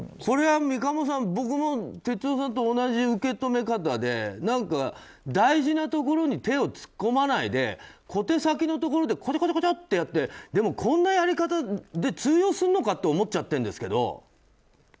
これは三鴨さん、僕も哲夫さんと同じ受け止め方で何か大事なところに手を突っ込まないで小手先のところでこちょこちょこちょってやってでも、こんなやり方で通用するのかって思っちゃってるんですけど。